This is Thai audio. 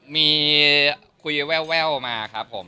มีคุยแววมาครับผม